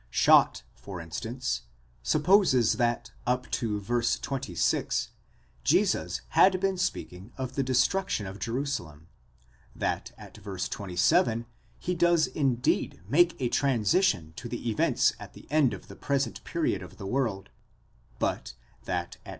Schott, for instance, supposes that, up to v. 26, Jesus had been speaking of the destruction of Jerusalem; that at v. 27 he does indeed make a transition to the events at the end of the present period of the world; but that at v.